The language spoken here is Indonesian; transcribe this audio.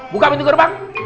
buka pintu gerbang